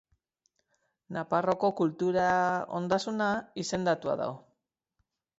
Nafarroako kultura ondasuna izendatua dago.